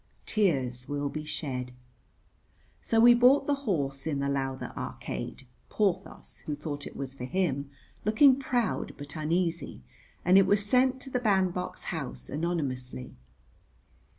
Tears will be shed. So we bought the horse in the Lowther Arcade, Porthos, who thought it was for him, looking proud but uneasy, and it was sent to the bandbox house anonymously.